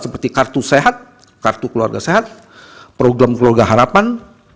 seperti kartu sehat kartu keluarga sehat program keluarga harapan